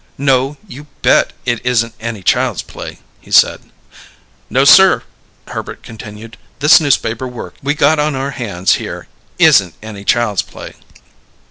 "No, you bet it isn't any child's play!" he said. "No, sir," Herbert continued. "This newspaper work we got on our hands here isn't any child's play."